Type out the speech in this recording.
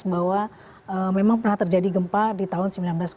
bahwa memang pernah terjadi gempa di tahun seribu sembilan ratus sembilan puluh